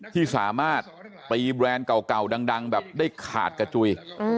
ที่สามารถตีแบรนด์เก่าดังแบบได้ขาดกระจุย